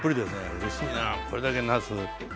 うれしいなこれだけなす。